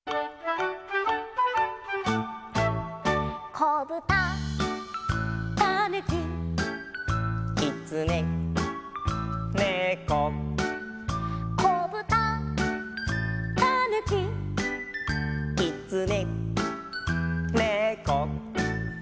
「こぶた」「たぬき」「きつね」「ねこ」「こぶた」「たぬき」「きつね」「ねこ」